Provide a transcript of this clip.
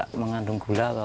sekarang memang bisa berhasil